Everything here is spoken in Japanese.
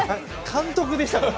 監督でしたから。